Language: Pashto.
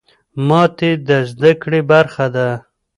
ماتې د زده کړې برخه ده.